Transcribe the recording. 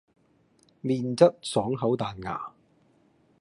麵質爽口彈牙